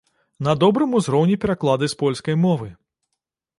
На добрым узроўні пераклады з польскай мовы.